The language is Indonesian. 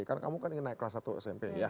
karena kamu kan ingin naik kelas satu smp ya